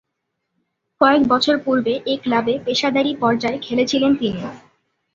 কয়েক বছর পূর্বে এ ক্লাবে পেশাদারী পর্যায়ে খেলেছিলেন তিনি।